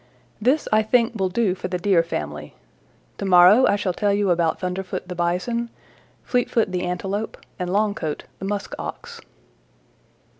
"This, I think, will do for the Deer family. To morrow I shall tell you about Thunderfoot the Bison, Fleetfoot the Antelope, and Longcoat the Musk Ox."